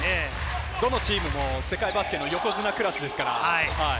どのチームも世界バスケの横綱クラスです。